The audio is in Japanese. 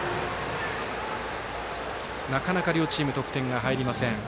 なかなか両チーム得点が入りません。